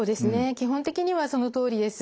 基本的にはそのとおりです。